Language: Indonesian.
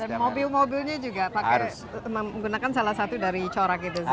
dan mobil mobilnya juga pakai menggunakan salah satu dari corak itu sendiri ya